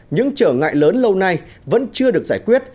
những trở ngại lớn lâu nay vẫn chưa được giải quyết